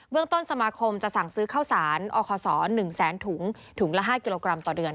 ต้นสมาคมจะสั่งซื้อข้าวสารอคศ๑แสนถุงถุงละ๕กิโลกรัมต่อเดือน